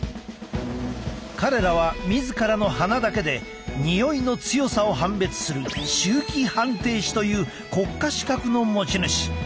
彼らは自らの鼻だけでにおいの強さを判別する臭気判定士という国家資格の持ち主。